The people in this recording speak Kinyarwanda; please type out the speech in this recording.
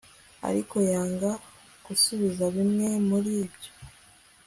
ariko yanga gusubiza bimwe muri byo